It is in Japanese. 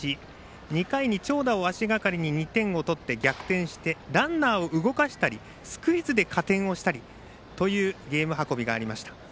２回に長打を足がかりに２点を取って、逆転をしてランナーを動かしたりスクイズで加点をしたりというゲーム運びがありました。